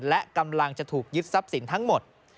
และกำลังจะถูกยึดทรัพย์สินทั้งหมด